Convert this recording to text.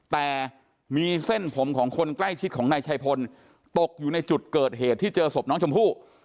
แต่มีเส้นผมของคนใกล้ชิดของนายชัยพลตกอยู่ในจุดเกิดเหตุที่เจอศพน้องชมพู่